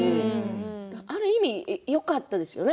ある意味よかったですよね